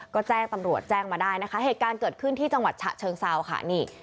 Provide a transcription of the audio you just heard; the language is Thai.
ก็แจ้งตำรวจแจ้งมาได้นะคะเหตุการณ์เกิดขึ้นที่จังหวัดฉะเชิงเซาค่ะนี่